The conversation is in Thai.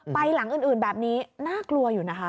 ไปหลังอื่นแบบนี้น่ากลัวอยู่นะคะ